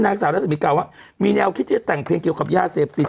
นางสาวรัศมีกล่าวว่ามีแนวคิดที่จะแต่งเพลงเกี่ยวกับยาเสพติด